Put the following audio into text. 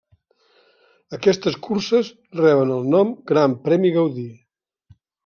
Aquestes curses reben el nom Gran Premi Gaudí.